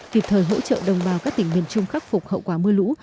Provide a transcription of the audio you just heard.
kịp thời hỗ trợ đồng bào các tỉnh miền trung khắc phục hậu quả mưa lũ